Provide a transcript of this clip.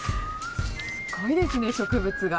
すごいですね、植物が。